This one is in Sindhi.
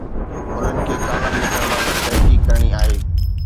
انهن کي ڪالم لکڻ بابت تحقيق ڪرڻي آهي.